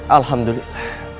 aku akan mencari wujudmu